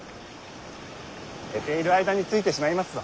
寝ている間に着いてしまいますぞ。